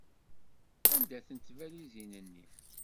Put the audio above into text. Anda-tent tbalizin-nni?